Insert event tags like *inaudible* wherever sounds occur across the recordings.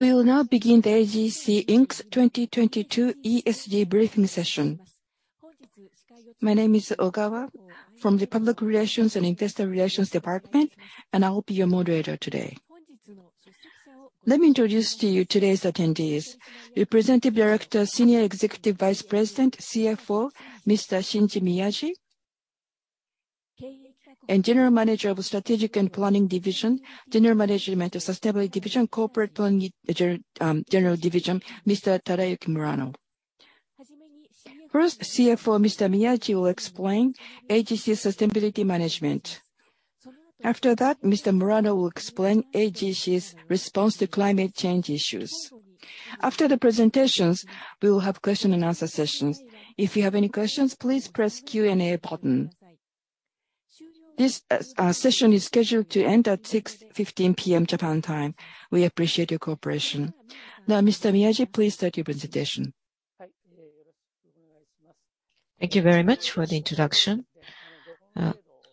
We will now begin the AGC Inc.'s 2022 ESG briefing session. My name is Ogawa from the Public Relations and Investor Relations Department, and I'll be your moderator today. Let me introduce to you today's attendees. Representative Director, Senior Executive Vice President, CFO, Mr. Shinji Miyaji. General Manager of Strategy and Planning Division, General Manager of Sustainability Division, Corporate Planning General Division, Mr. Tadashi Murano. First, CFO Mr. Miyaji will explain AGC's sustainability management. After that, Mr. Murano will explain AGC's response to climate change issues. After the presentations, we will have Q&A sessions. If you have any questions, please press Q&A button. This session is scheduled to end at 6:15 PM Japan time. We appreciate your cooperation. Now, Mr. Miyaji, please start your presentation. Thank you very much for the introduction.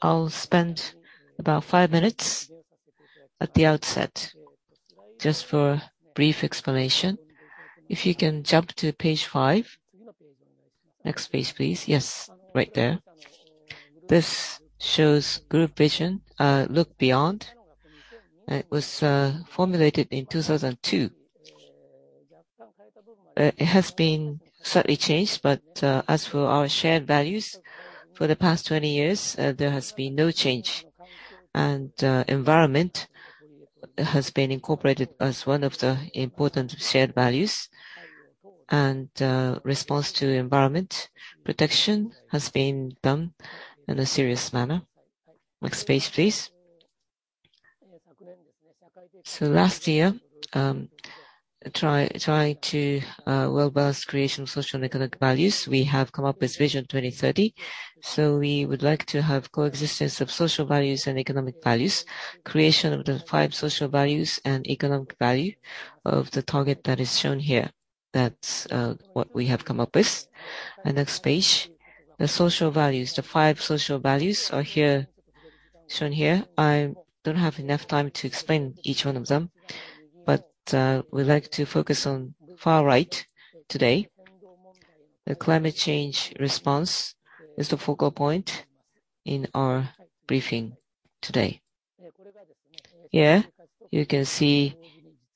I'll spend about five minutes at the outset just for a brief explanation. If you can jump to page five. Next page, please. Yes, right there. This shows group vision, Look Beyond. It was formulated in 2002. It has been slightly changed, but as for our shared values, for the past 20 years, there has been no change. Environment has been incorporated as one of the important shared values, and response to environmental protection has been done in a serious manner. Next page, please. Last year, trying to well-balanced creation of social and economic values, we have come up with Vision 2030. We would like to have coexistence of social values and economic values, creation of the five social values and economic value of the target that is shown here. That's what we have come up with. Next page. The social values. The five social values are here, shown here. I don't have enough time to explain each one of them, but we'd like to focus on far right today. The climate change response is the focal point in our briefing today. Here you can see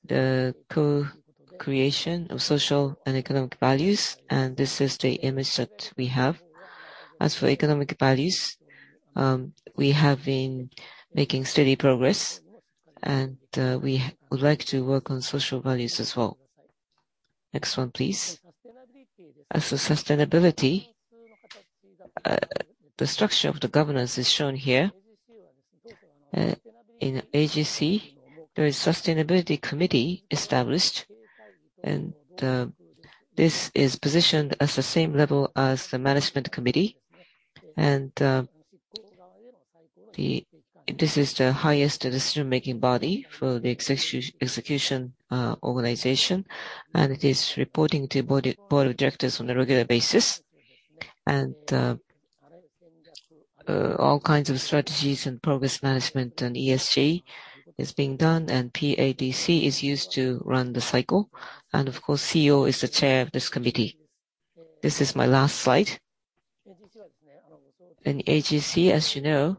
the co-creation of social and economic values, and this is the image that we have. As for economic values, we have been making steady progress, and we would like to work on social values as well. Next one, please. As for sustainability, the structure of the governance is shown here. In AGC, there is a Sustainability Committee established, and this is positioned at the same level as the Management Committee. This is the highest decision-making body for the execution organization, and it is reporting to the board of directors on a regular basis. All kinds of strategies and progress management and ESG is being done, and PDCA is used to run the cycle. Of course, the CEO is the chair of this committee. This is my last slide. In AGC, as you know,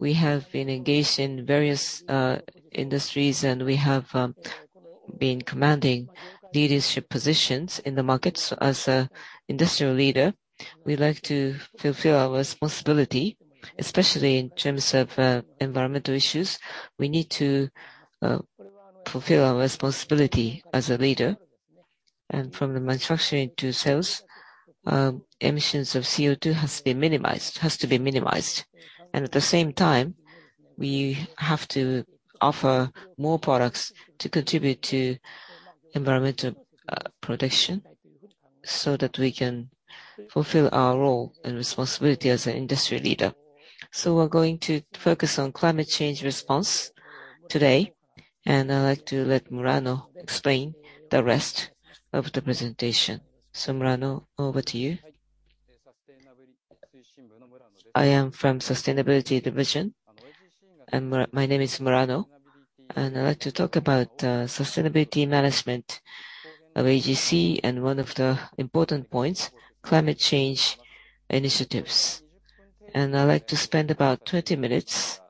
we have been engaged in various industries, and we have been commanding leadership positions in the markets. As an industrial leader, we like to fulfill our responsibility, especially in terms of environmental issues. We need to fulfill our responsibility as a leader. From the manufacturing to sales, emissions of CO₂ has to be minimized. At the same time, we have to offer more products to contribute to environmental protection so that we can fulfill our role and responsibility as an industry leader. We're going to focus on climate change response today, and I'd like to let Murano explain the rest of the presentation. Murano, over to you. I am from Sustainability Division, and my name is Murano, and I'd like to talk about sustainability management of AGC and one of the important points, climate change initiatives. I'd like to spend about 20 minutes.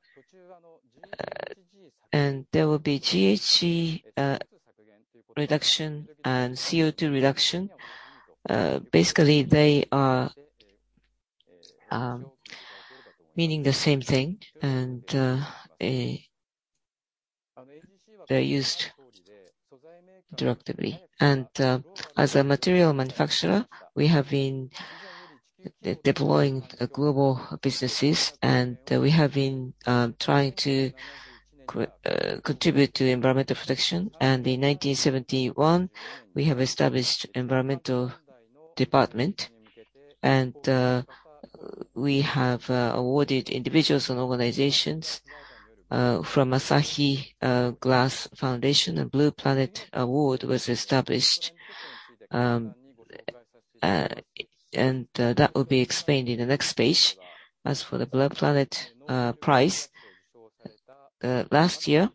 There will be GHG reduction and CO₂ reduction. Basically, they are meaning the same thing, and they're used interactively. As a material manufacturer, we have been deploying global businesses, and we have been trying to contribute to environmental protection. In 1971, we have established environmental department, and we have awarded individuals and organizations from Asahi Glass Foundation. A Blue Planet Prize was established, and that will be explained in the next page. As for the Blue Planet Prize, last year,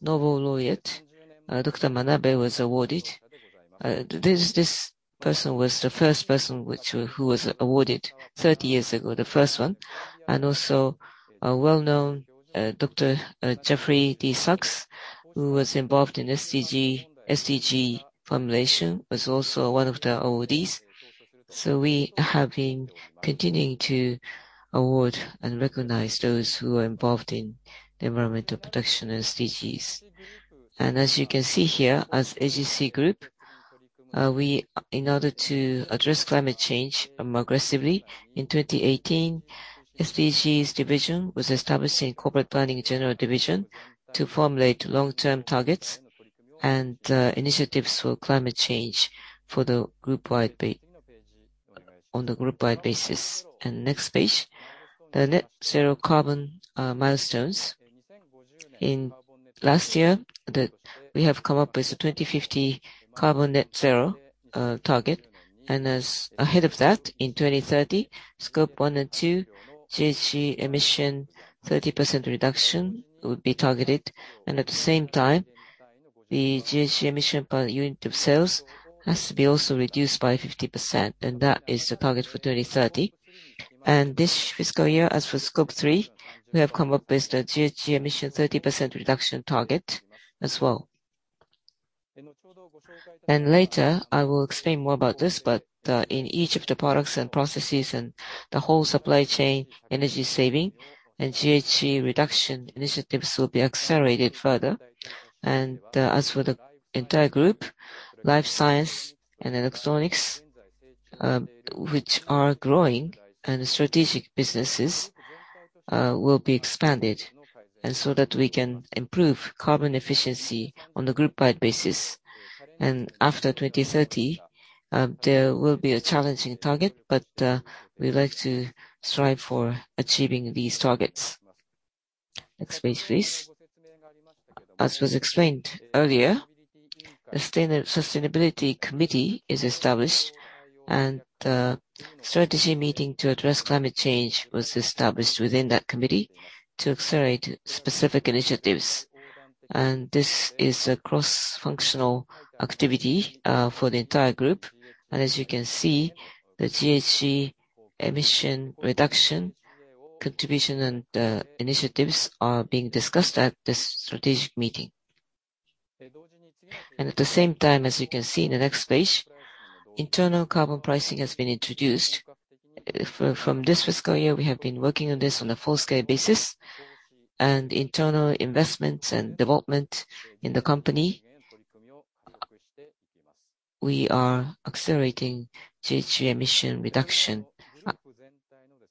Nobel laureate Dr. Manabe was awarded. This person was the first person who was awarded 30 years ago, the first one. Also, a well-known Dr. Jeffrey D. Sachs, who was involved in SDG formulation, was also one of the awardees. We have been continuing to award and recognize those who are involved in the environmental protection and SDGs. As you can see here, as AGC Group, in order to address climate change more aggressively, in 2018, SDGs Division was established in Corporate Planning General Division to formulate long-term targets and initiatives for climate change for the group-wide on the group-wide basis. Next page, the net-zero carbon milestones. In last year, we have come up with a 2050 carbon net-zero target. As ahead of that, in 2030, Scope one and two GHG emission 30% reduction will be targeted. At the same time, the GHG emission per unit of sales has to be also reduced by 50%, and that is the target for 2030. This fiscal year, as for Scope three, we have come up with a GHG emission 30% reduction target as well. Later, I will explain more about this, but, in each of the products and processes and the whole supply chain, energy saving and GHG reduction initiatives will be accelerated further. As for the entire group, life science and electronics, which are growing, and the strategic businesses, will be expanded, and so that we can improve carbon efficiency on the group-wide basis. After 2030, there will be a challenging target, but, we'd like to strive for achieving these targets. Next page, please. As was explained earlier, Sustainability Committee is established, and the strategy meeting to address climate change was established within that committee to accelerate specific initiatives. This is a cross-functional activity for the entire group. As you can see, the GHG emission reduction contribution and initiatives are being discussed at this strategic meeting. At the same time, as you can see in the next page, internal carbon pricing has been introduced. From this fiscal year, we have been working on this on a full-scale basis. Internal investments and development in the company, we are accelerating GHG emission reduction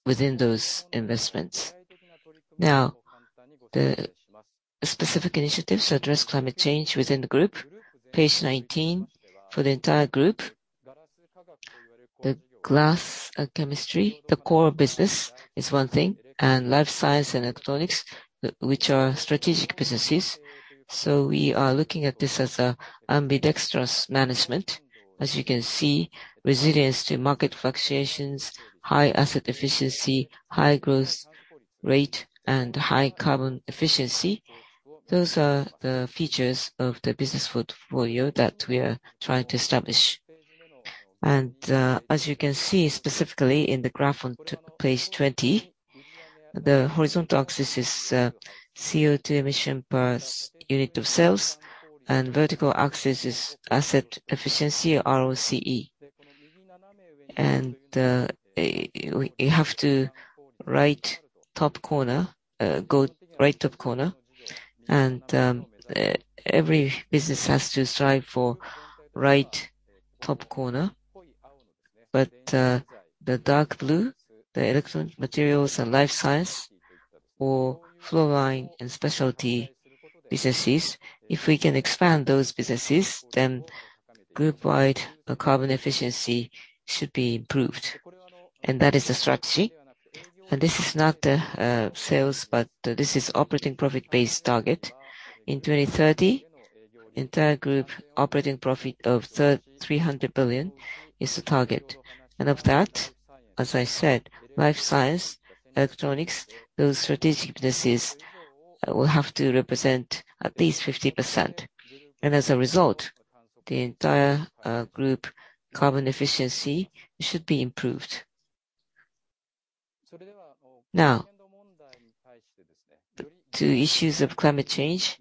within those investments. Now, the specific initiatives to address climate change within the group, page 19, for the entire group, the glass and chemicals, the core business is one thing, and life science and electronics, which are strategic businesses. We are looking at this as a ambidextrous management. As you can see, resilience to market fluctuations, high asset efficiency, high growth rate, and high carbon efficiency. Those are the features of the business portfolio that we are trying to establish. As you can see specifically in the graph on page 20, the horizontal axis is CO₂ emission per unit of sales, and vertical axis is asset efficiency, ROCE. You have to go to the right top corner. Every business has to strive for right top corner. The dark blue, the Electronic Materials and Life Science, or fluorine and specialty businesses, if we can expand those businesses, then group-wide carbon efficiency should be improved. That is the strategy. This is not the sales, but this is operating profit-based target. In 2030, entire group operating profit of 300 billion is the target. Of that, as I said, Life Science, Electronics, those strategic businesses will have to represent at least 50%. As a result, the entire group carbon efficiency should be improved. Now, to issues of climate change,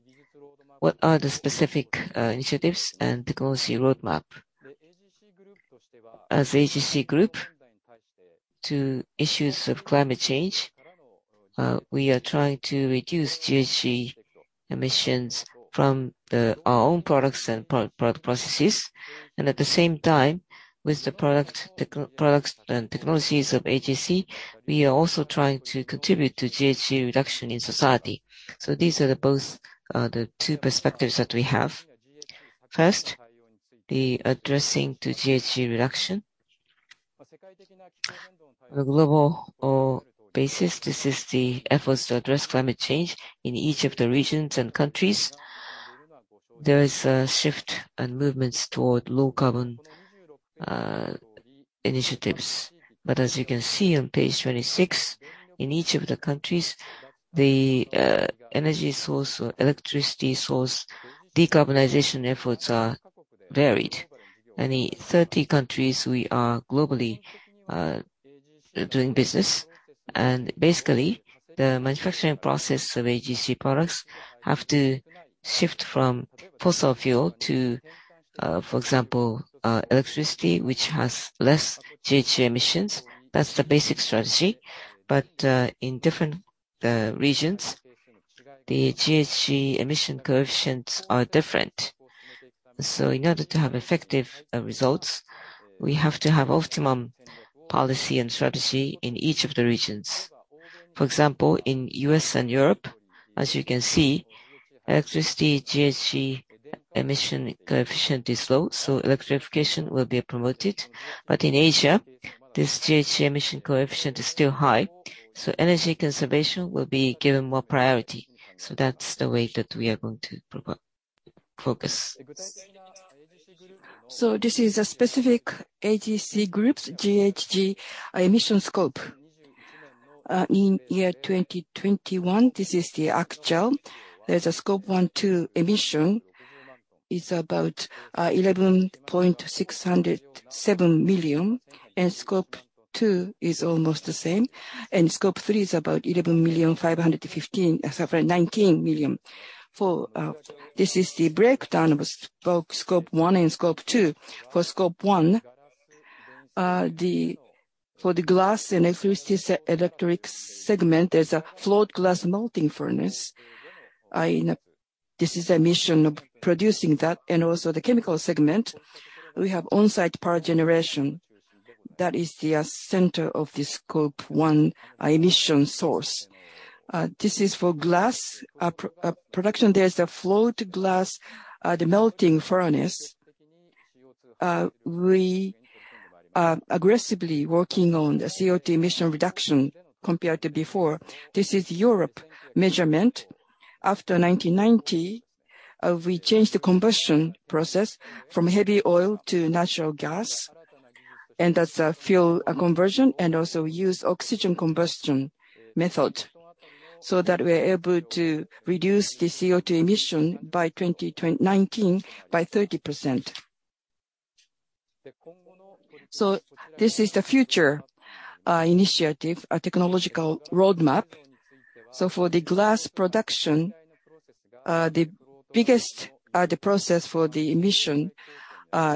what are the specific initiatives and technology roadmap? As AGC Group, to issues of climate change, we are trying to reduce GHG emissions from our own products and production processes. At the same time, with the products and technologies of AGC, we are also trying to contribute to GHG reduction in society. These are both the two perspectives that we have. First, addressing GHG reduction. On a global basis, this is the efforts to address climate change in each of the regions and countries. There is a shift and movements toward low carbon initiatives. As you can see on page 26, in each of the countries, the energy source or electricity source decarbonization efforts are varied. In the 30 countries we are globally doing business, and basically, the manufacturing process of AGC products have to shift from fossil fuel to, for example, electricity, which has less GHG emissions. That's the basic strategy. In different regions, the GHG emission coefficients are different. So in order to have effective results, we have to have optimum policy and strategy in each of the regions. For example, in U.S. and Europe, as you can see, electricity GHG emission coefficient is low, so electrification will be promoted. In Asia, this GHG emission coefficient is still high, so energy conservation will be given more priority. That's the way that we are going to focus. This is a specific AGC Group's GHG emissions scope. In 2021, this is the actual. There's Scope 1, 2 emissions. It's about 11.607 million, and Scope 1 is almost the same. Scope 3 is about 11,515,519 million. This is the breakdown of Scope 1 and Scope 2. For Scope 1, for the glass and electronics segment, there's a float glass melting furnace. This is emissions of producing that and also the chemical segment. We have on-site power generation. That is the center of the Scope 1 emissions sources. This is for glass production. There is a float glass melting furnace. We are aggressively working on the CO₂ emission reduction compared to before. This is Europe measurement. After 1990, we changed the combustion process from heavy oil to natural gas, and that's a fuel conversion, and also used oxy-fuel combustion so that we're able to reduce the CO₂ emission by 2019 by 30%. This is the future initiative, a technological roadmap. For the glass production, the biggest process for the emission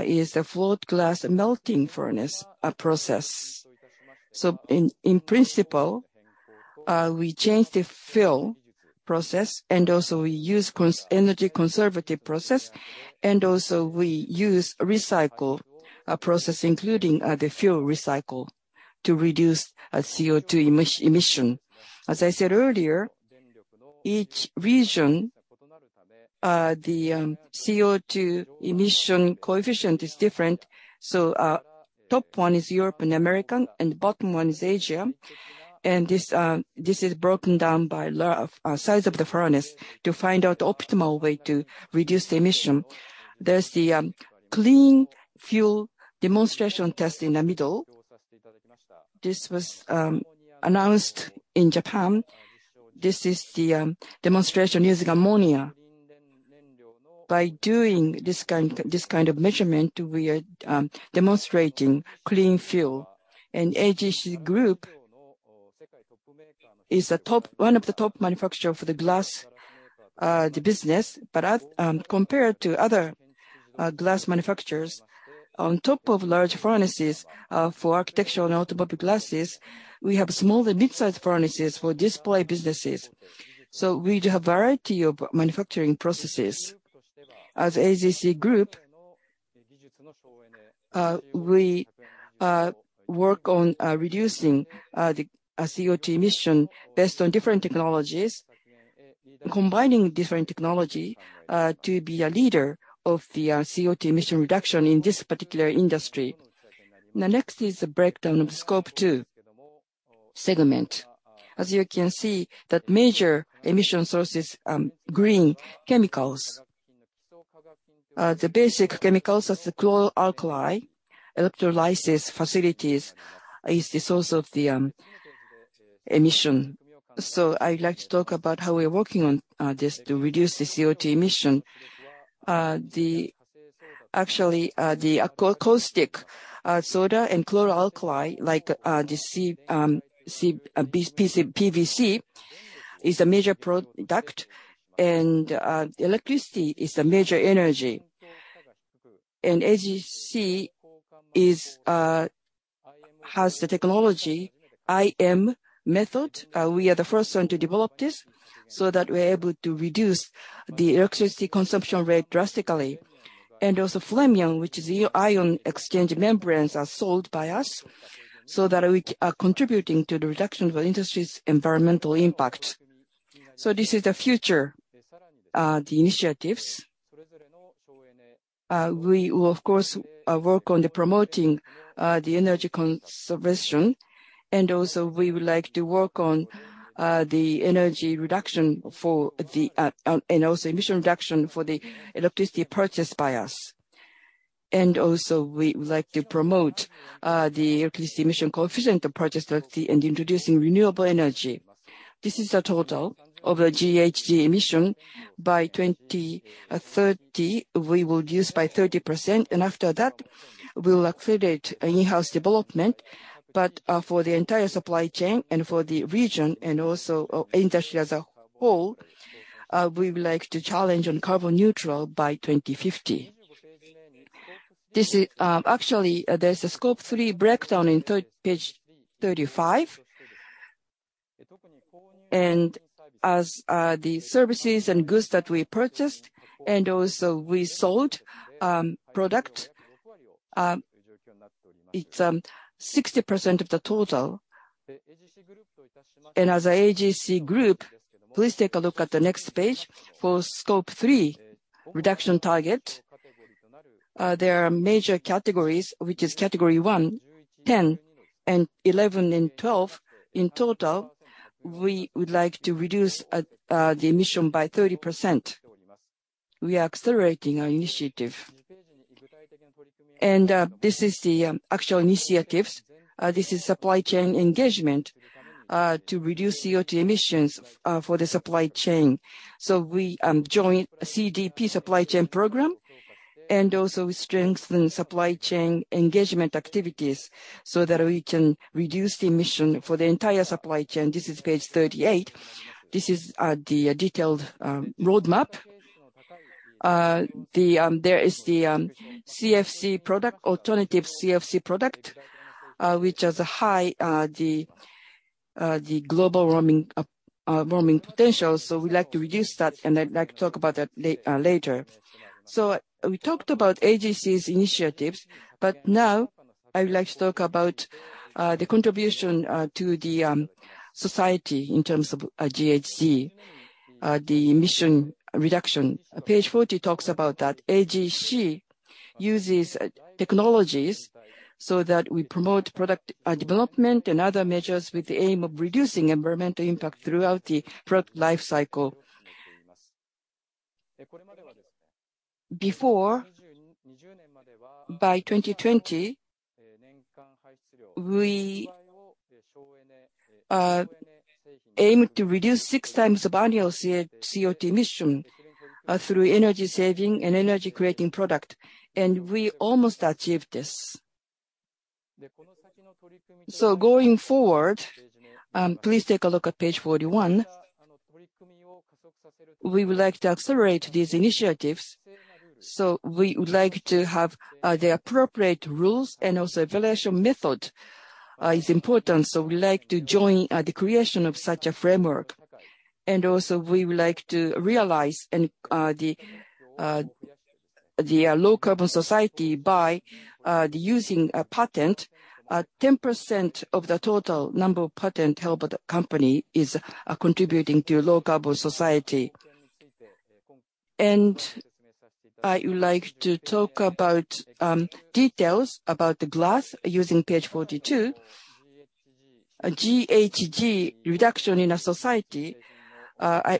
is the float glass melting furnace process. In principle, we change the fuel process and also we use energy conservative process, and also we use recycle process including the fuel recycle to reduce CO₂ emission. As I said earlier, each region, the CO₂ emission coefficient is different, so top one is Europe and America, and bottom one is Asia. This is broken down by size of the furnace to find out optimal way to reduce the emission. There's the clean fuel demonstration test in the middle. This was announced in Japan. This is the demonstration using ammonia. By doing this kind of measurement, we are demonstrating clean fuel. AGC Group is one of the top manufacturers for the glass business. But as compared to other glass manufacturers, on top of large furnaces for architectural and automobile glasses, we have small to mid-size furnaces for display businesses. We have a variety of manufacturing processes. As AGC Group, we work on reducing the CO₂ emission based on different technologies, combining different technology to be a leader of the CO₂ emission reduction in this particular industry. Now next is the breakdown of the Scope 2 segment. As you can see, the major emission sources, green chemicals. The basic chemicals as the chlor-alkali electrolysis facilities is the source of the emission. So I'd like to talk about how we're working on this to reduce the CO₂ emission. Actually, the caustic soda and chlor-alkali like the PVC is a major product and electricity is a major energy. AGC has the technology IEM method. We are the first one to develop this, so that we're able to reduce the electricity consumption rate drastically. FLEMION, which is ion exchange membranes are sold by us, so that we are contributing to the reduction of our industry's environmental impact. This is the future, the initiatives. We will of course work on promoting the energy conservation, and also we would like to work on the energy reduction for the and also emission reduction for the electricity purchased by us. We would like to promote the electricity emission coefficient purchased and introducing renewable energy. This is a total of the GHG emission. By 2030, we will reduce by 30% and after that we'll accelerate in-house development. For the entire supply chain and for the region and also industry as a whole, we would like to challenge on carbon neutral by 2050. This is. Actually, there's a Scope 3 breakdown in page 35. As the services and goods that we purchased and also we sold product, it's 60% of the total. As AGC Group, please take a look at the next page for Scope 3 reduction target. There are major categories, which is Category one, 10 and 11 and 12. In total, we would like to reduce the emission by 30%. We are accelerating our initiative. This is the actual initiatives. This is supply chain engagement to reduce CO₂ emissions for the supply chain. We join CDP Supply Chain program and also strengthen supply chain engagement activities so that we can reduce the emission for the entire supply chain. This is page 38. This is the detailed roadmap. The There is the CFC product, alternative CFC product, which has a high global warming potential. We'd like to reduce that and I'd like to talk about that later. We talked about AGC's initiatives, but now I would like to talk about the contribution to the society in terms of GHG the emission reduction. Page 40 talks about that. AGC uses technologies so that we promote product development and other measures with the aim of reducing environmental impact throughout the product life cycle. Before, by 2020, we aimed to reduce six times the annual CO2 emission through energy saving and energy creating product, and we almost achieved this. Going forward, please take a look at page 41. We would like to accelerate these initiatives, so we would like to have the appropriate rules and also evaluation method is important. We'd like to join the creation of such a framework. We would like to realize the low carbon society by using a patent. 10% of the total number of patents held by the company is contributing to low carbon society. I would like to talk about details about the glass using page 42. A GHG reduction in a society,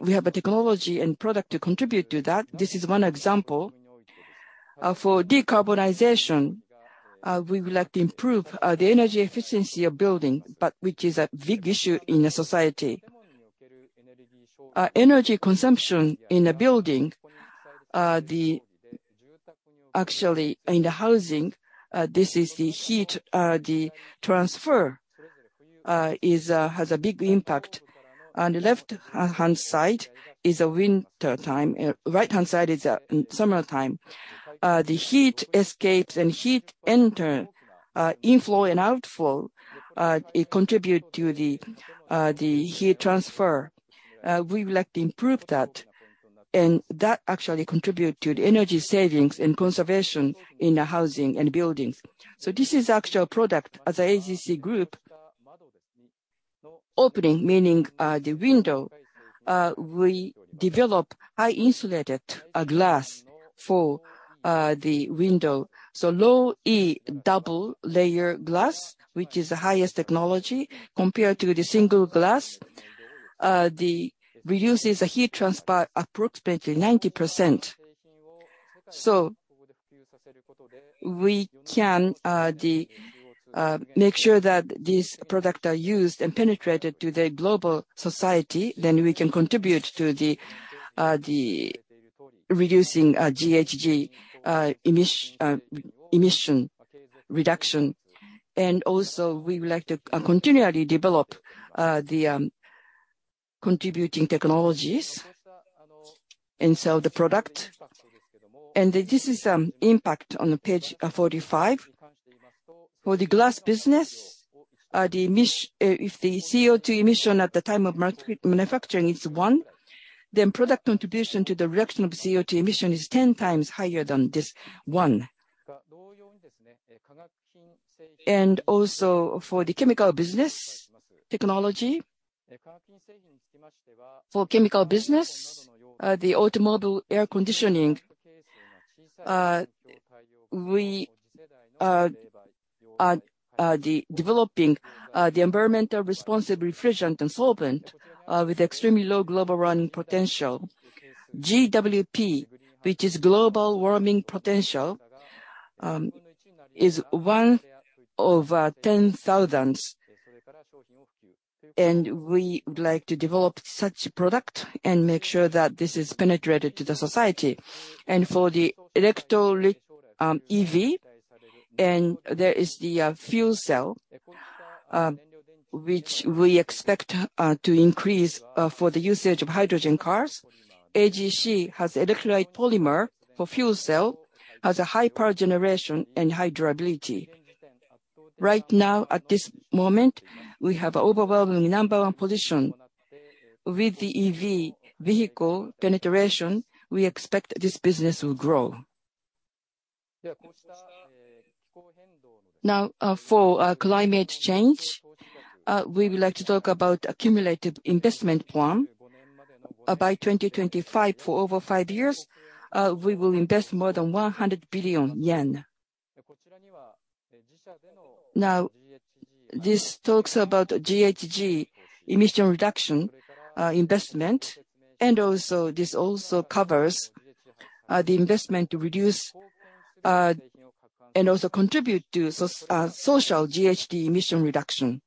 we have a technology and product to contribute to that. This is one example. For decarbonization, we would like to improve the energy efficiency of buildings, but which is a big issue in a society. Energy consumption in a building, the. Actually in the housing, this is the heat transfer has a big impact. On the left hand side is a winter time, right-hand side is summertime. The heat escapes and heat enter, inflow and outflow, it contribute to the heat transfer. We would like to improve that, and that actually contribute to the energy savings and conservation in the housing and buildings. This is actual product as AGC Group. Opening, meaning, the window, we develop high insulated glass for the window. Low-E double glazing glass, which is the highest technology compared to the single glass, reduces the heat transfer approximately 90%. We can make sure that these products are used and penetrated to the global society, then we can contribute to the reducing GHG emission reduction. Also we would like to continually develop the contributing technologies and sell the product. This is impact on page 45. For the glass business, if the CO₂ emission at the time of manufacturing is one, then product contribution to the reduction of CO₂ emission is 10 times higher than this one. Also for the chemical business technology. For chemical business, the automobile air conditioning, we are developing the environmentally responsible refrigerant and solvent with extremely low global warming potential. GWP, which is Global Warming Potential, is one over 10,000. We would like to develop such product and make sure that this is penetrated to the society. For the EV, and there is the fuel cell, which we expect to increase for the usage of hydrogen cars. AGC has electrolyte polymer for fuel cell, has a high power generation and high durability. Right now, at this moment, we have overwhelming number one position. With the EV vehicle penetration, we expect this business will grow. Now, for climate change, we would like to talk about accumulated investment plan. By 2025, for over five years, we will invest more than 100 billion yen. Now, this talks about GHG emission reduction investment and also this also covers the investment to reduce and also contribute to social GHG emission reduction.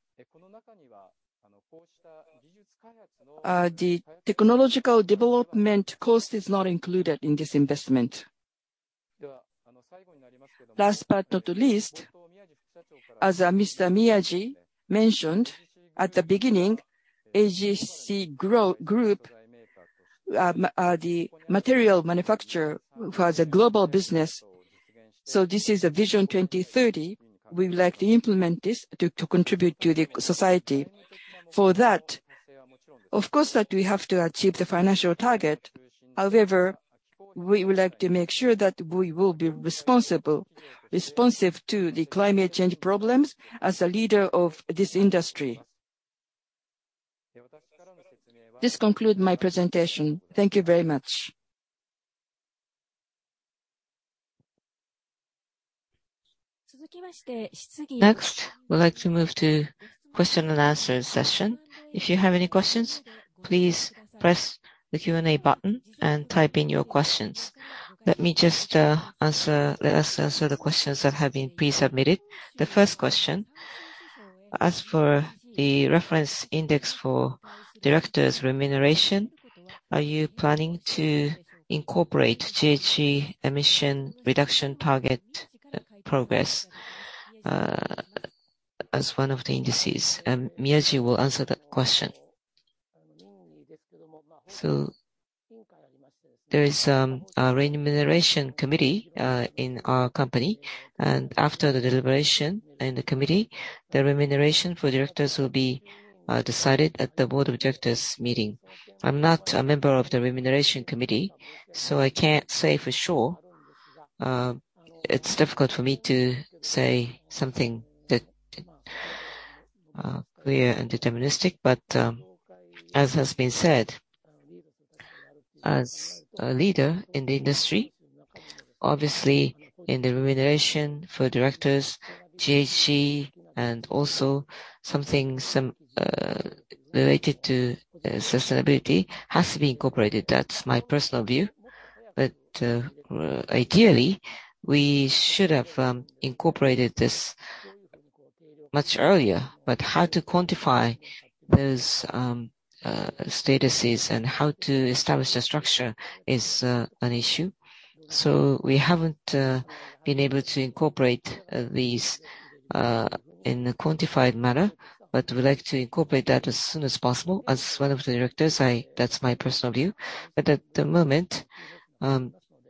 The technological development cost is not included in this investment. Last but not least, as Mr. Miyaji mentioned at the beginning, AGC Group are the material manufacturer who has a global business. This is a Vision 2030. We would like to implement this to contribute to the society. For that, of course, that we have to achieve the financial target. However, we would like to make sure that we will be responsible, responsive to the climate change problems as a leader of this industry. This conclude my presentation. Thank you very much. Next, we'd like to move to question and answer session. If you have any questions, please press the Q&A button and type in your questions. Let us answer the questions that have been pre-submitted. The first question, as for the reference index for directors' remuneration, are you planning to incorporate GHG emission reduction target progress, as one of the indices? Miyaji will answer that question. There is a remuneration committee in our company, and after the deliberation in the committee, the remuneration for directors will be decided at the board of directors meeting. I'm not a member of the remuneration committee, so I can't say for sure. It's difficult for me to say something that clear and deterministic. As has been said, as a leader in the industry, obviously in the remuneration for directors, GHG and also something some related to sustainability has to be incorporated. That's my personal view. Ideally, we should have incorporated this much earlier. How to quantify those statuses and how to establish the structure is an issue. We haven't been able to incorporate these in a quantified manner, but we'd like to incorporate that as soon as possible. As one of the directors, That's my personal view. At the moment,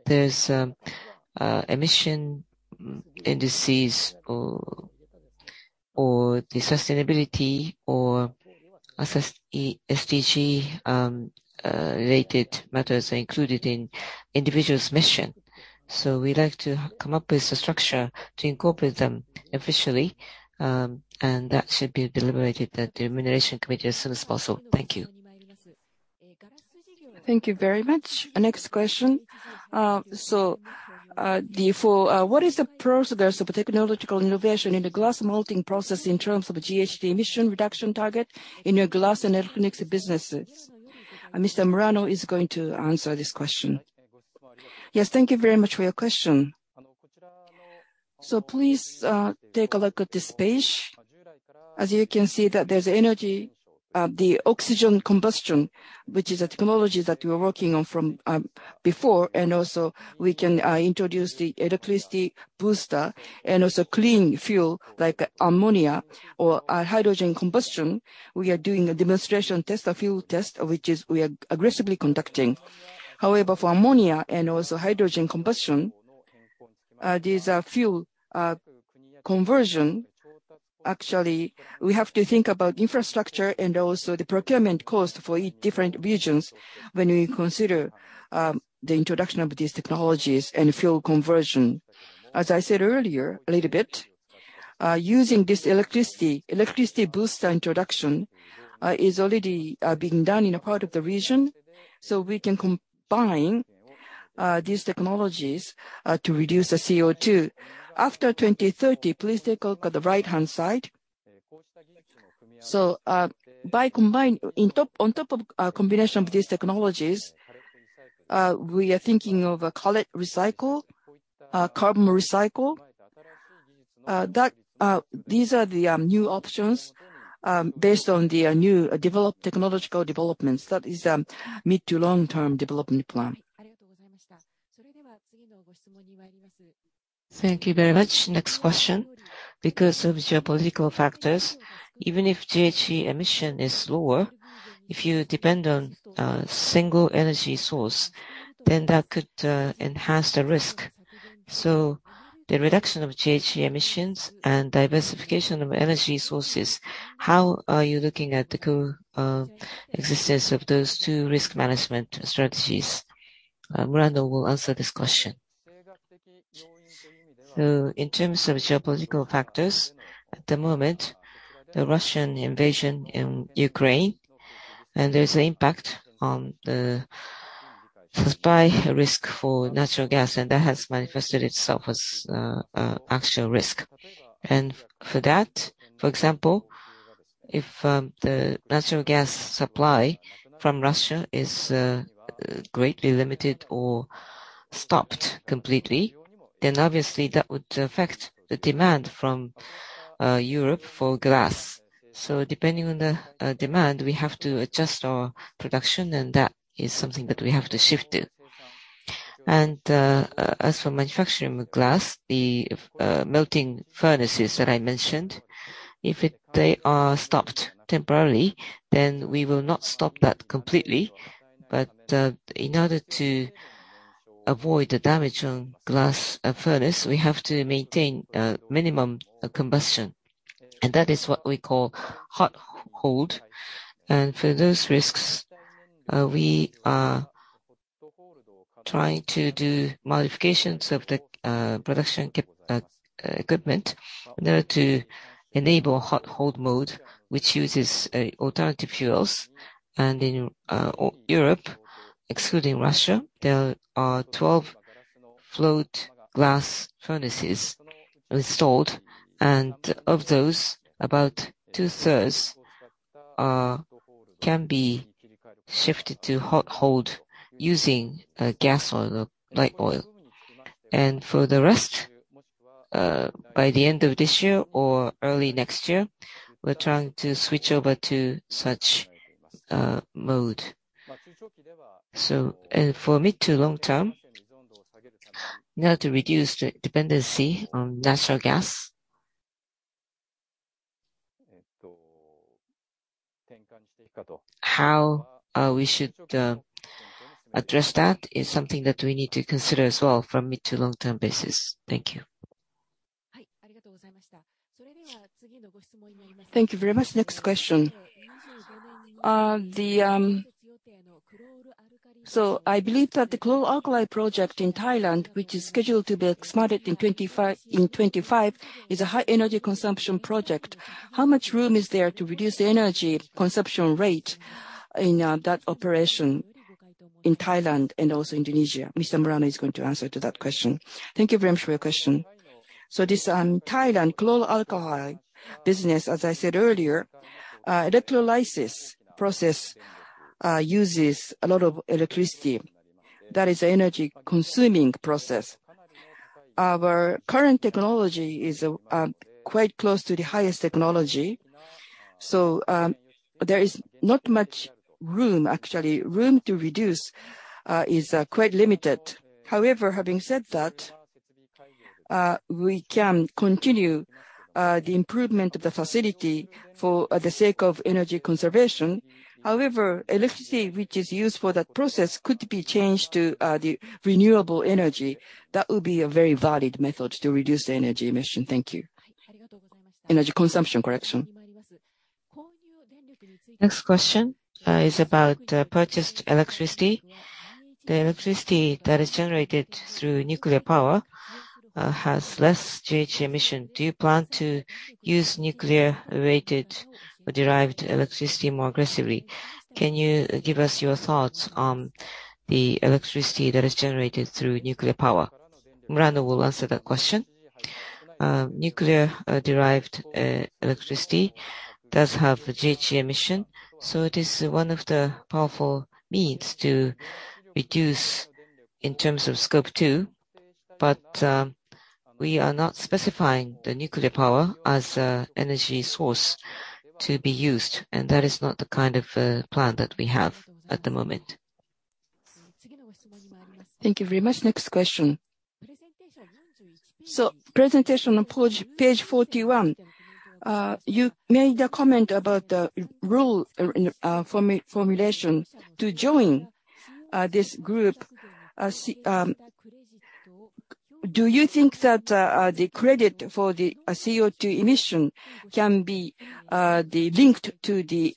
there's emission indices or the sustainability or ESG SDG related matters are included in individual's mission. We'd like to come up with a structure to incorporate them officially, and that should be deliberated at the remuneration committee as soon as possible. Thank you. Thank you very much. Next question. For what is the progress of the technological innovation in the glass melting process in terms of GHG emission reduction target in your glass and electronics businesses? Mr. Murano is going to answer this question. Yes. Thank you very much for your question. Please take a look at this page. As you can see that there's energy, the oxy-fuel combustion, which is a technology that we are working on from before. We can introduce the electro-boosting and also clean fuel, like ammonia or hydrogen combustion. We are doing a demonstration test, a field test, which is we are aggressively conducting. However, for ammonia and also hydrogen combustion. These are few conversion. Actually, we have to think about infrastructure and also the procurement cost for different regions when we consider the introduction of these technologies and fuel conversion. As I said earlier a little bit, using this electricity booster introduction is already being done in a part of the region, so we can combine these technologies to reduce the CO₂. After 2030, please take a look at the right-hand side. On top of combination of these technologies, we are thinking of a carbon recycling, a carbon recycling. That these are the new options based on the new developed technological developments. That is mid- to long-term development plan. Thank you very much. Next question. Because of geopolitical factors, even if GHG emission is lower, if you depend on a single energy source, then that could enhance the risk. The reduction of GHG emissions and diversification of energy sources, how are you looking at the coexistence of those two risk management strategies? Murano will answer this question. In terms of geopolitical factors, at the moment, the Russian invasion in Ukraine, and there's an impact on the supply risk for natural gas, and that has manifested itself as actual risk. For that, for example, if the natural gas supply from Russia is greatly limited or stopped completely, then obviously that would affect the demand from Europe for glass. Depending on the demand, we have to adjust our production, and that is something that we have to shift it. As for manufacturing glass, the melting furnaces that I mentioned, if they are stopped temporarily, then we will not stop that completely. In order to avoid the damage on glass furnace, we have to maintain a minimum combustion. That is what we call hot hold. For those risks, we are trying to do modifications of the production equipment in order to enable hot hold mode, which uses alternative fuels. In Europe, excluding Russia, there are 12 float glass furnaces installed. Of those, about 2/3 can be shifted to hot hold using gas oil or light oil. For the rest, by the end of this year or early next year, we're trying to switch over to such mode. For mid- to long-term, in order to reduce the dependency on natural gas, how we should address that is something that we need to consider as well from mid- to long-term basis. Thank you. Thank you very much. Next question. I believe that the chlor-alkali project in Thailand, which is scheduled to be expanded in 2025, is a high energy consumption project. How much room is there to reduce the energy consumption rate in that operation in Thailand and also Indonesia? Mr. Murano is going to answer to that question. Thank you very much for your question. This Thailand chlor-alkali business, as I said earlier, electrolysis process uses a lot of electricity. That is energy-consuming process. Our current technology is quite close to the highest technology. There is not much room, actually. Room to reduce is quite limited. However, having said that, we can continue the improvement of the facility for the sake of energy conservation. However, electricity which is used for that process could be changed to the renewable energy. That would be a very valid method to reduce the energy emission. Thank you. Energy consumption, correction. Next question is about purchased electricity. The electricity that is generated through nuclear power has less GHG emission. Do you plan to use nuclear-rated or derived electricity more aggressively? Can you give us your thoughts on the electricity that is generated through nuclear power? Murano will answer that question. Nuclear derived electricity does have a GHG emission. So it is one of the powerful means to reduce in terms of Scope 2. We are not specifying nuclear power as an energy source to be used, and that is not the kind of plan that we have at the moment. Thank you very much. Next question. Presentation on page 41, you made a comment about the rule in formulation to join this group, CDP. Do you think that the credit for the CO₂ emission can be linked to the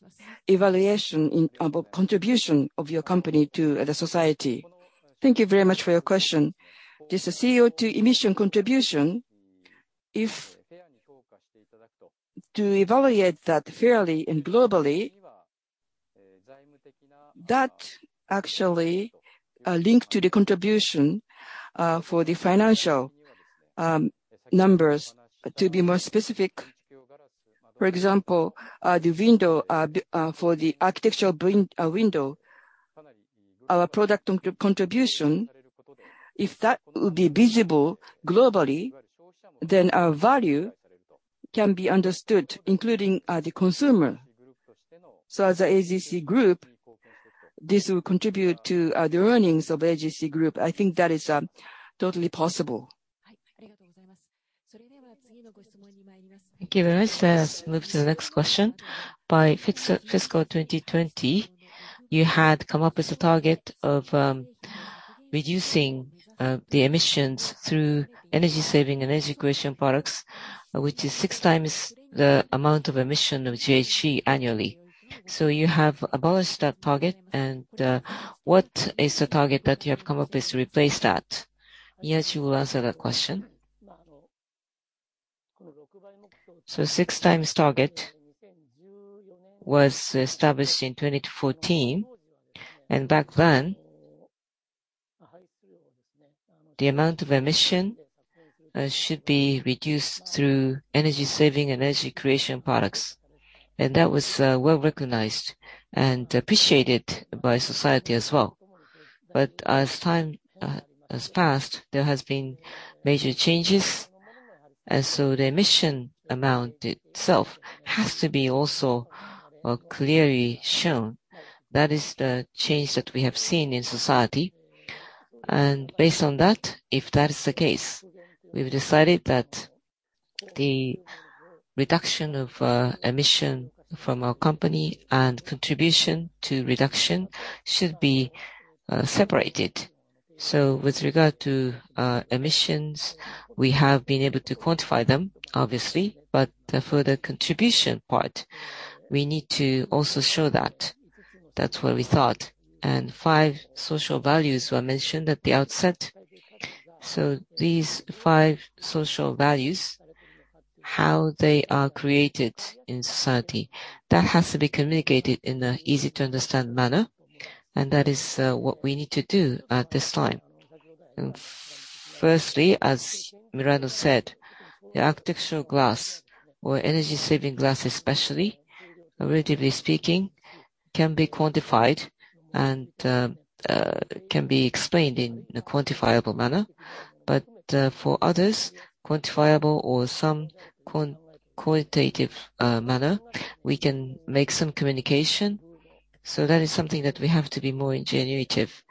evaluation of a contribution of your company to the society? Thank you very much for your question. This CO₂ emission contribution to evaluate that fairly and globally, that actually link to the contribution for the financial numbers. To be more specific, for example, the window for the architectural window, our product contribution, if that will be visible globally, then our value can be understood, including the consumer. As a AGC Group, this will contribute to the earnings of AGC Group. I think that is totally possible. Thank you very much. Let us move to the next question. By fiscal 2020, you had come up with a target of reducing the emissions through energy saving and energy creation products, which is six times the amount of emission of GHG annually. You have abolished that target, and what is the target that you have come up with to replace that? Miyaji will answer that question. Six times target was established in 2014. Back then, the amount of emission should be reduced through energy saving and energy creation products. That was well-recognized and appreciated by society as well. As time has passed, there has been major changes. The emission amount itself has to be also clearly shown. That is the change that we have seen in society. Based on that, if that is the case, we've decided that the reduction of emission from our company and contribution to reduction should be separated. With regard to emissions, we have been able to quantify them, obviously. For the contribution part, we need to also show that. That's what we thought. Five social values were mentioned at the outset. These five social values, how they are created in society, that has to be communicated in an easy-to-understand manner, and that is what we need to do at this time. Firstly, as Murano said, the architectural glass or energy-saving glass especially, relatively speaking, can be quantified and can be explained in a quantifiable manner. For others, quantifiable or some qualitative manner, we can make some communication. That is something that we have to be more ingenious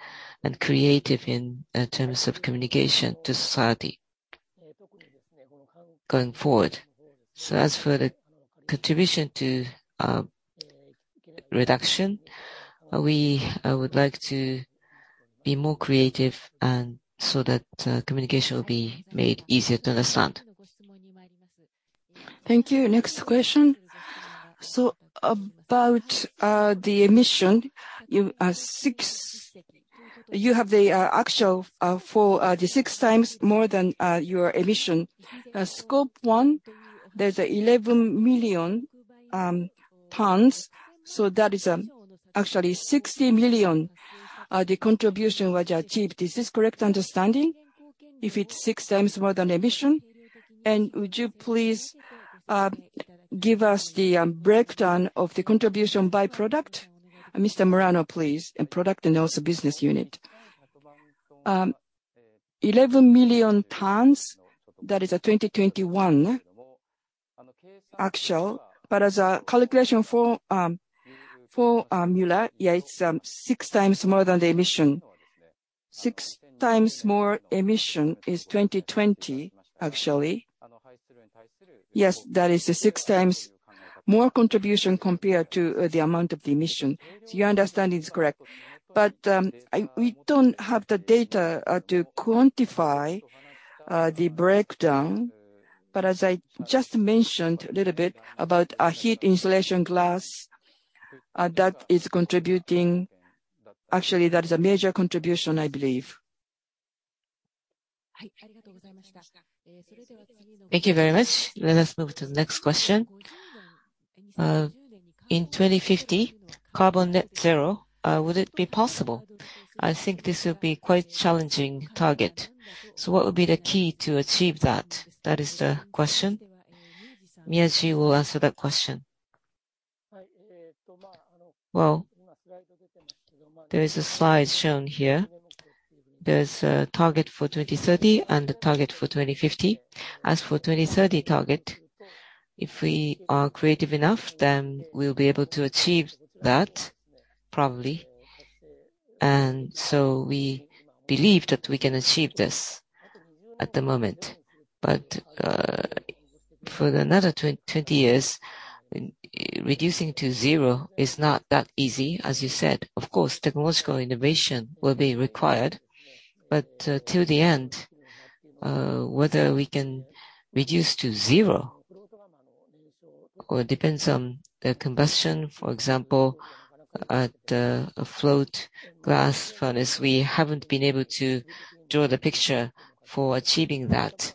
and creative in terms of communication to society going forward. As for the contribution to reduction, we would like to be more creative and so that communication will be made easier to understand. Thank you. Next question. About the emission, you six. You have the actual for the six times more than your emission. Scope 1, there's 11 million tons, so that is actually 60 million the contribution was achieved. Is this correct understanding, if it's six times more than emission? Would you please give us the breakdown of the contribution by product? Mr. Murano, please. In product and also business unit. 11 million tons, that is a 2021 actual. But as a calculation for Murano, yeah, it's six times more than the emission. Six times more emission is 2020 actually. Yes, that is the six times more contribution compared to the amount of the emission. So your understanding is correct. But we don't have the data to quantify the breakdown. As I just mentioned a little bit about our heat insulation glass, that is contributing. Actually, that is a major contribution, I believe. Thank you very much. Let us move to the next question. In 2050, carbon net zero, would it be possible? I think this will be quite challenging target. What would be the key to achieve that? That is the question. Miyaji will answer that question. Well, there is a slide shown here. There is a target for 2030 and a target for 2050. As for 2030 target, if we are creative enough, then we'll be able to achieve that probably. We believe that we can achieve this at the moment. For another 20 years, reducing to zero is not that easy, as you said. Of course, technological innovation will be required, but until the end, whether we can reduce to zero or depends on the combustion. For example, at a float glass furnace, we haven't been able to draw the picture for achieving that.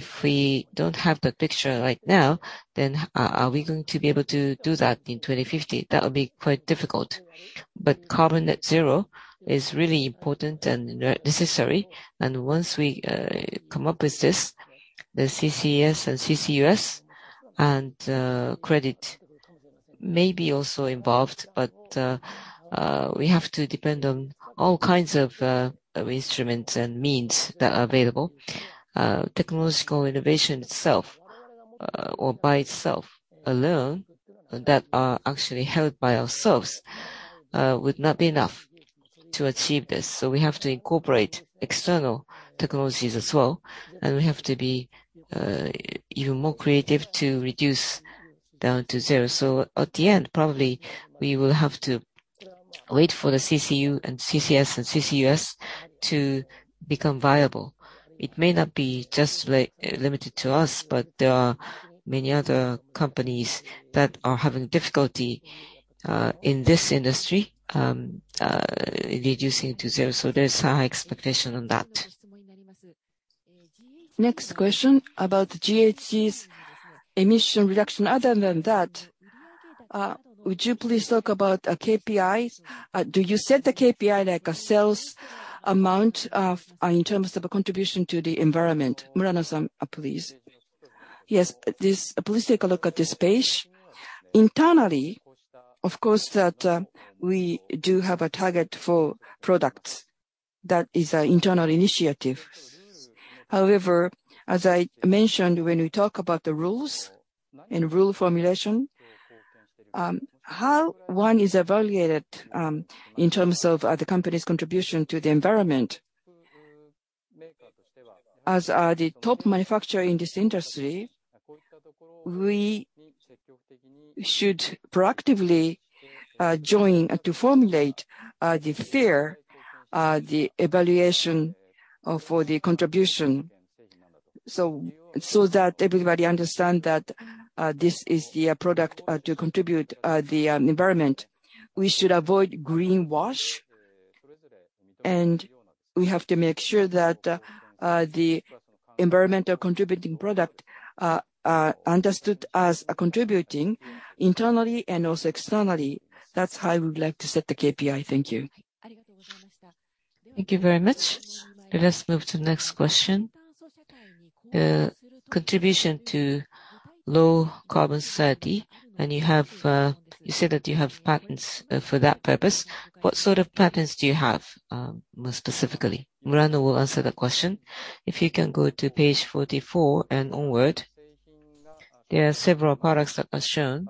If we don't have that picture right now, then are we going to be able to do that in 2050? That will be quite difficult. Carbon at zero is really important and necessary. Once we come up with this, the CCS and CCUS and credit may be also involved. We have to depend on all kinds of instruments and means that are available. Technological innovation itself, or by itself alone that are actually held by ourselves, would not be enough to achieve this. We have to incorporate external technologies as well, and we have to be even more creative to reduce down to zero. At the end, probably we will have to wait for the CCU and CCS and CCUS to become viable. It may not be just limited to us, but there are many other companies that are having difficulty in this industry reducing to zero, so there's high expectation on that. Next question about the GHG emissions reduction. Other than that, would you please talk about KPIs? Do you set the KPI like a sales amount of, in terms of a contribution to the environment? Murano-san, *inaudible* please. Yes. Please take a look at this page. Internally, of course, we do have a target for products. That is our internal initiative. However, as I mentioned, when we talk about the rules and rule formulation, how one is evaluated, in terms of, the company's contribution to the environment, as, the top manufacturer in this industry, we should proactively, join to formulate, the fair, the evaluation, for the contribution, so that everybody understand that, this is the product, to contribute, the, environment. We should avoid greenwash, and we have to make sure that, the environmental contributing product, understood as contributing internally and also externally. That's how I would like to set the KPI. Thank you. Thank you very much. Let's move to next question. Contribution to low carbon society, and you have, you said that you have patents for that purpose. What sort of patents do you have, more specifically? Murano will answer the question. If you can go to page 44 and onward, there are several products that are shown.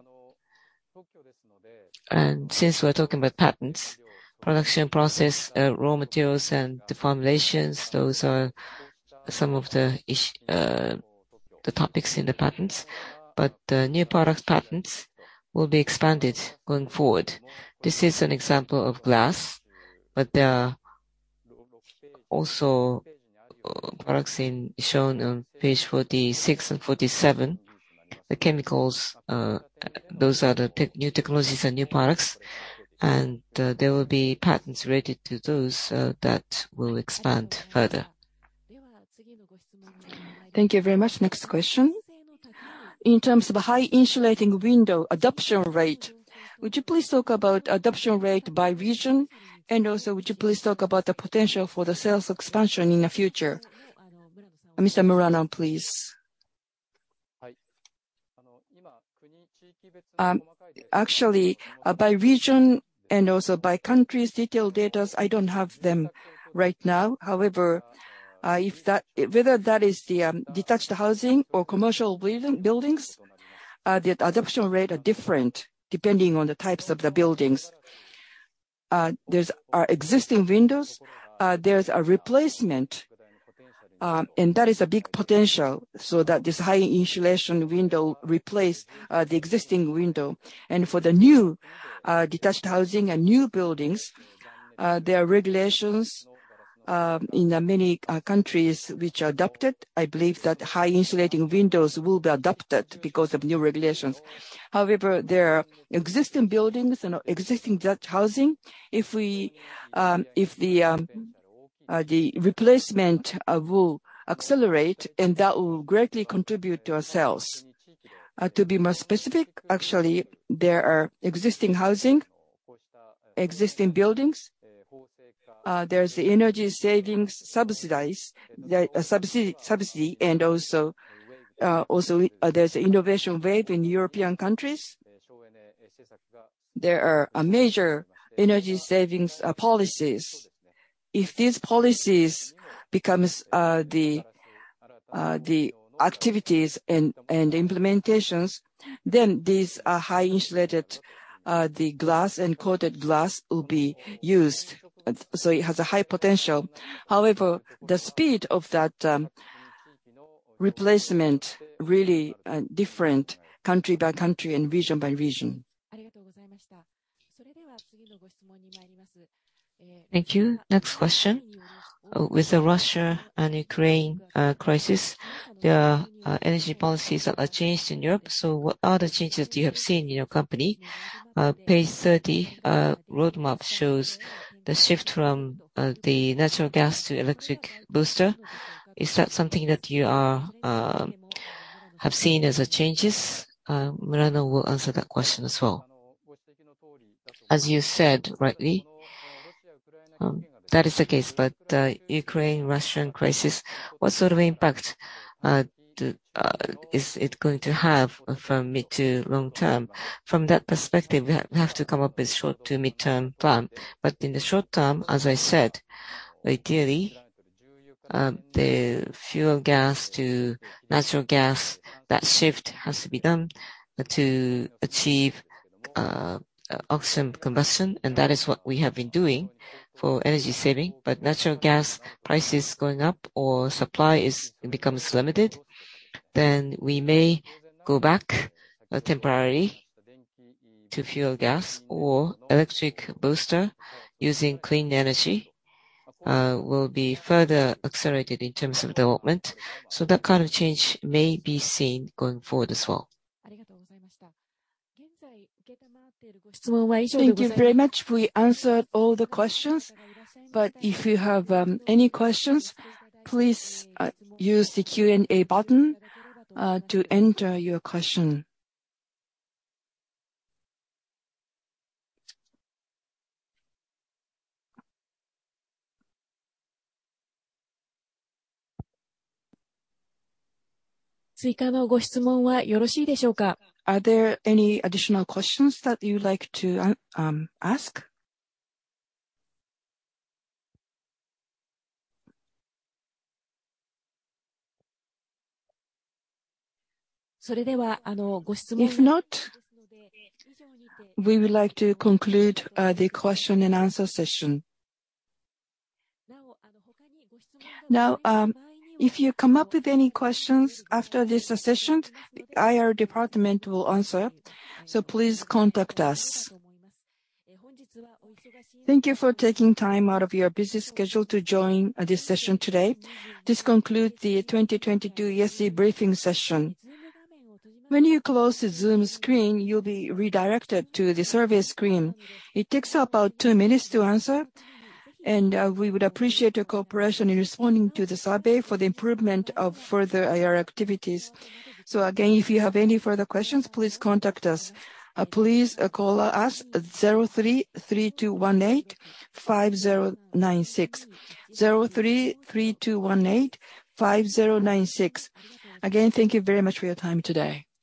Since we're talking about patents, production process, raw materials and the formulations, those are some of the topics in the patents. New product patents will be expanded going forward. This is an example of glass, but there are also products shown on page 46 and 47. The chemicals, those are the new technologies and new products, and there will be patents related to those that will expand further. Thank you very much. Next question. In terms of high insulating window adoption rate, would you please talk about adoption rate by region? And also, would you please talk about the potential for the sales expansion in the future? Mr. Murano, please. Actually, by region and also by countries, detailed data, I don't have them right now. However, whether that is the detached housing or commercial buildings, the adoption rate are different depending on the types of the buildings. There are existing windows. There's a replacement, and that is a big potential so that this high insulation window replace the existing window. For the new detached housing and new buildings, there are regulations in many countries which are adopted. I believe that high insulating windows will be adopted because of new regulations. However, there are existing buildings and existing detached housing. If the replacement will accelerate, and that will greatly contribute to our sales. To be more specific, actually, there are existing housing, existing buildings. There's the energy savings subsidy and also there's Renovation Wave in European countries. There are major energy savings policies. If these policies becomes the activities and implementations, then these are highly insulated glass and coated glass will be used. It has a high potential. However, the speed of that replacement really different country by country and region by region. Thank you. Next question. With the Russia and Ukraine crisis, there are energy policies that are changed in Europe. What are the changes you have seen in your company? Page 30 roadmap shows the shift from the natural gas to electro-boosting. Is that something that you have seen as changes? Murano will answer that question as well. As you said, rightly, that is the case. Ukraine-Russia crisis, what sort of impact is it going to have from mid- to long-term? From that perspective, we have to come up with short- to mid-term plan. In the short term, as I said, ideally, the fuel gas to natural gas, that shift has to be done to achieve oxy-fuel combustion, and that is what we have been doing for energy saving. Natural gas prices going up or supply becomes limited, then we may go back temporarily to fuel gas or electro-boosting using clean energy will be further accelerated in terms of development. That kind of change may be seen going forward as well. Thank you very much. We answered all the questions, but if you have any questions, please use the Q&A button to enter your question. Are there any additional questions that you'd like to ask? If not, we would like to conclude the Q&A session. Now, if you come up with any questions after this session, IR department will answer. Please contact us. Thank you for taking time out of your busy schedule to join this session today. This concludes the 2022 ESG briefing session. When you close the Zoom screen, you'll be redirected to the survey screen. It takes about two minutes to answer, and we would appreciate your cooperation in responding to the survey for the improvement of further IR activities. Again, if you have any further questions, please contact us. Please, call us at zero three-three two one eight-five zero nine six. Zero three-three two one eight-five zero nine six. Again, thank you very much for your time today.